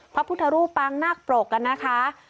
พระพุทธรูปปางนาคปรกนะคะ